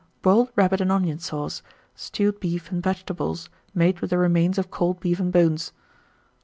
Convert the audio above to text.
Boiled rabbit and onion sauce, stewed beef and vegetables, made with the remains of cold beef and bones.